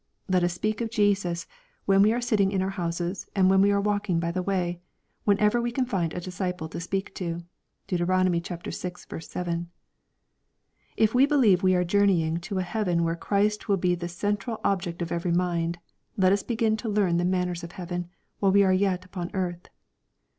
Let us speak of Jesus, when we are sitting in our houses and when we are walking by the way, when ever we can find a disciple to speak to. (Deut. vi. 7.) If we believe we are journeying to a heaven where Christ will be the central object of every mind, let us begin to learn the manners of heaven, while we are yet upon earth.